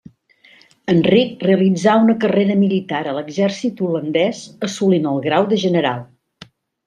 Enric realitzà una carrera militar a l'exèrcit holandès assolint el grau de general.